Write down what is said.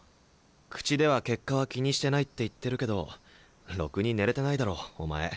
口では結果は気にしてないって言ってるけどろくに寝れてないだろお前。